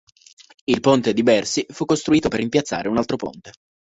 Il ponte di Bercy fu costruito per rimpiazzare un altro ponte.